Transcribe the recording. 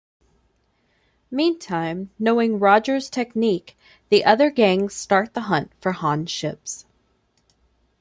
Meantime, knowing Rogers' technique, the other gangs start the hunt for Han ships.